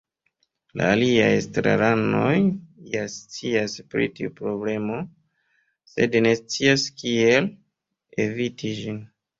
La aliaj estraranoj ja scias pri tiu problemo, sed ne scias kiel eviti ĝin.